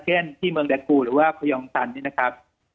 เช่นที่เมืองดากูหรือว่าพยองตันนี่นะครับ